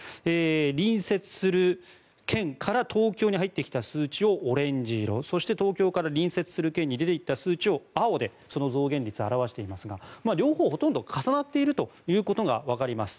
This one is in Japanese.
隣接する県から東京に入ってきた数値をオレンジ色そして東京から隣接する県に出ていった数値を青で表していますが、両方ほとんど重なっていることがわかります。